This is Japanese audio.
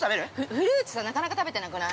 ◆フルーツって、なかなか食べてなくない？